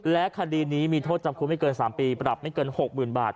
และคดีนี้มีโทษจำคุกไม่เกิน๓ปีปรับไม่เกิน๖๐๐๐บาท